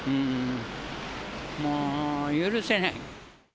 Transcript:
もう許せない。